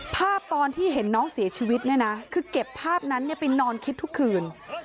ภาพตอนที่เห็นน้องเสียชีวิตเนี่ยนะคือเก็บภาพนั้นไปนอนคิดทุกคืน